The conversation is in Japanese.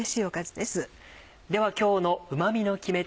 では今日のうま味の決め手